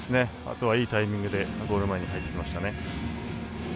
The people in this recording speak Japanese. あとはいいタイミングでゴール前に入ってきましたね。